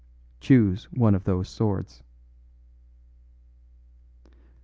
Choose one of those swords."